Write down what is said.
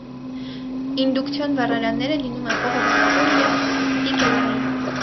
Ինդուկցիոն վառարանները լինում են՝ խողովակավոր և տիգելային։